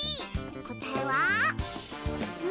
こたえは？